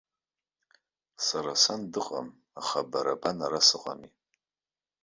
Сара сан дыҟам, аха бара бан ара сыҟами.